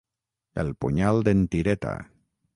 El punyal d'en Tireta.